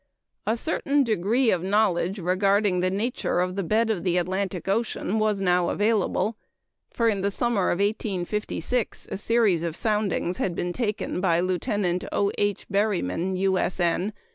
"] A certain degree of knowledge regarding the nature of the bed of the Atlantic Ocean was now available; for in the summer of 1856 a series of soundings had been taken by Lieutenant O. H. Berryman, U.S.N.